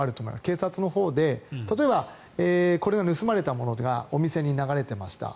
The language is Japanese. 警察のほうで例えば、盗まれたものがお店に流れてました。